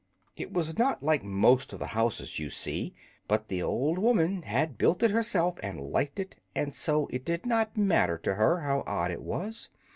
It was not like most of the houses you see, but the old woman had it built herself, and liked it, and so it did not matter to her how odd it was.